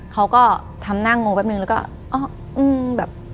เขาก็ทำหน้างงแป๊บนึงแล้วก็อ้ออืมแบบ